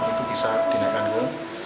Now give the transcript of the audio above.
itu bisa dinaikkan dulu